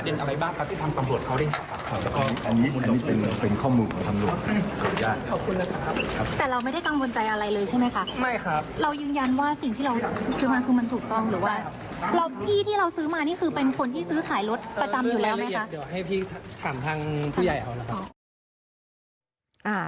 เดี๋ยวให้พี่ถามทางผู้ใหญ่เอาละ